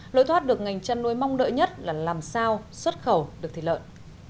lối thoát được ngành chăn nuôi mong đợi nhất là làm sao xuất khẩu được thịt lợn